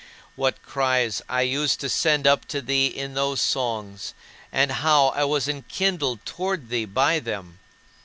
What cries I used to send up to thee in those songs, and how I was enkindled toward thee by them!